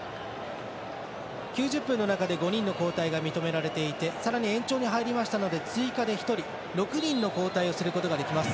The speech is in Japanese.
９０分の中で５人の交代が認められていてさらに延長に入りましたので追加で１人６人の交代をすることができます。